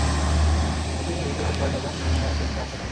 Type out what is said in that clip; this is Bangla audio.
কিন্তু তিনি ধৈর্যধারণ করেন এবং বিনিময়ে পুরস্কার আশা করেন।